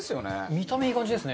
見た目いい感じですね。